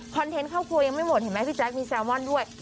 เทนต์เข้าครัวยังไม่หมดเห็นไหมพี่แจ๊คมีแซลมอนด้วย